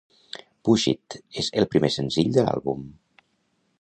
"Push It" és el primer senzill de l'àlbum.